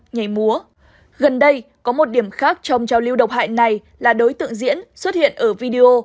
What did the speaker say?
nhảy múa gần đây có một điểm khác trong giao lưu độc hại này là đối tượng diễn xuất hiện ở video